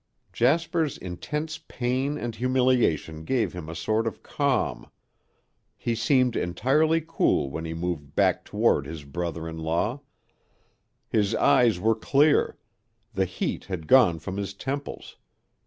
Jasper's intense pain and humiliation gave him a sort of calm. He seemed entirely cool when he moved back toward his brother in law; his eyes were clear, the heat had gone from his temples.